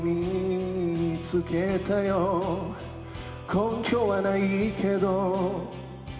「根拠はないけど」